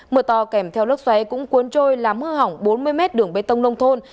mưa to kèm theo lốc xoáy cũng cuốn trôi làm hư hỏng bốn mươi mét đường bê tông nông thôn